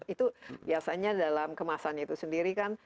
itu biasanya dalam kemasan itu sendiri kan